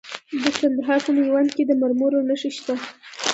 د کندهار په میوند کې د مرمرو نښې شته.